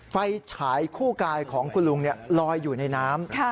ไฟฉายคู่กายของคุณลุงลอยอยู่ในน้ำ